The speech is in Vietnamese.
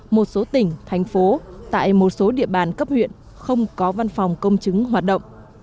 một số tỉnh thành phố tại một số địa bàn cấp huyện không có văn phòng công chứng hoạt động